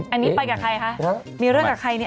อันนี้ไปกับใครคะมีเรื่องกับใครเนี่ย